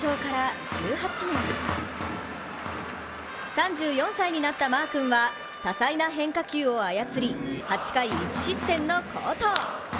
３４歳になったマー君は多彩な変化球を操り８回１失点の好投。